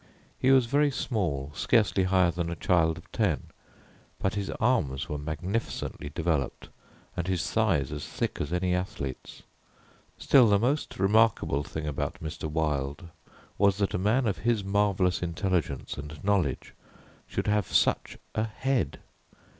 He was very small, scarcely higher than a child of ten, but his arms were magnificently developed, and his thighs as thick as any athlete's. Still, the most remarkable thing about Mr. Wilde was that a man of his marvellous intelligence and knowledge should have such a head.